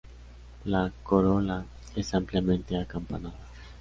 La corola es ampliamente acampanada.